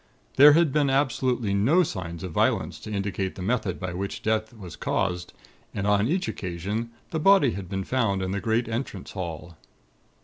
There had been absolutely no signs of violence to indicate the method by which death was caused, and on each occasion the body had been found in the great entrance hall.